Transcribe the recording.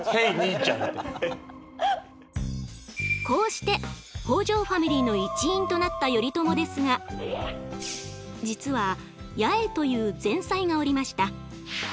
こうして北条ファミリーの一員となった頼朝ですが実は八重という前妻がおりました。